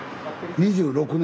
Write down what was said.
２６年。